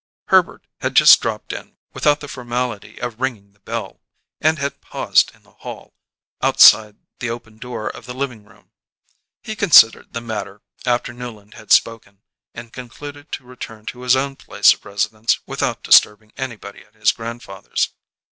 Herbert had just dropped in without the formality of ringing the bell, and had paused in the hall, outside the open door of the living room. He considered the matter, after Newland had spoken, and concluded to return to his own place of residence without disturbing anybody at his grandfather's.